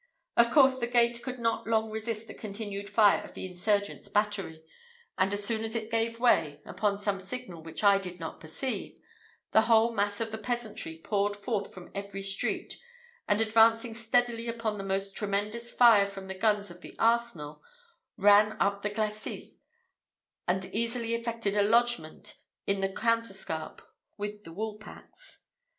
Of course, the gate could not long resist the continued fire of the insurgents' battery; and as soon as it gave way, upon some signal which I did not perceive, the whole mass of the peasantry poured forth from every street, and advancing steadily under a most tremendous fire from the guns of the arsenal, ran up the glacis, and easily effected a lodgment on the counterscarp with the woolpacks.